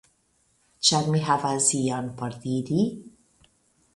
Ĉar mi havas ion por diri.